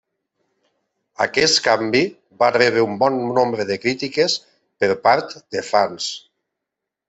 Aquest canvi va rebre un bon nombre de crítiques per part de fans.